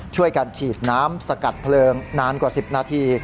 ช่วยกันฉีดน้ำสกัดเพลิงนานกว่า๑๐นาที